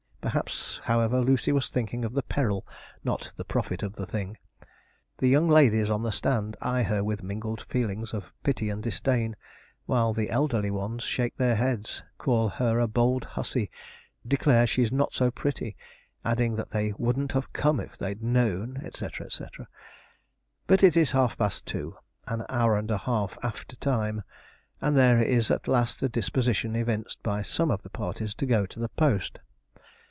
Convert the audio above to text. Perhaps, however, Lucy was thinking of the peril, not the profit of the thing. The young ladies on the stand eye her with mingled feelings of pity and disdain, while the elderly ones shake their heads, call her a bold hussy declare she's not so pretty adding that they 'wouldn't have come if they'd known,' &c. &c. But it is half past two (an hour and a half after time), and there is at last a disposition evinced by some of the parties to go to the post.